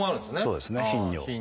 そうですね「頻尿」。